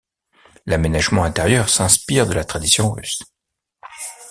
L'aménagement intérieur s'inspire de la tradition russe.